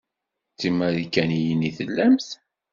D timarikaniyin i tellamt.